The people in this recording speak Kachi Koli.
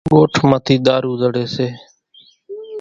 ڳوٺ مان ٿِي ۮارُو زڙِي ۿڳيَ سي۔